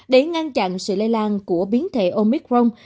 để ngăn chặn sự lây lan của biến thể omicron